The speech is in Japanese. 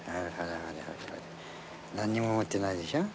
何も持ってないでしょう。